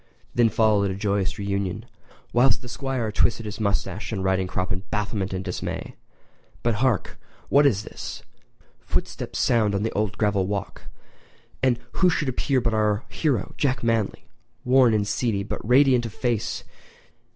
Then followed a joyous reunion, whilst the Squire twisted his moustache and riding crop in bafflement and dismay. But hark! What is this? Footsteps sound on the old gravel walk, and who should appear but our hero, Jack Manly—worn and seedy, but radiant of face.